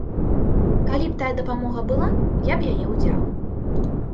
Калі б такая дапамога была, я б яе ўзяў.